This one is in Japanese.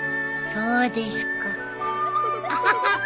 そうですか。